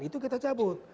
itu kita cabut